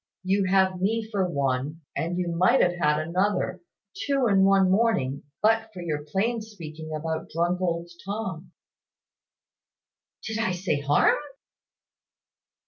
You have me for one; and you might have had another two in one morning but for your plain speaking about drunk old Tom." "Did I say any harm?"